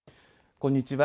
こんにちは。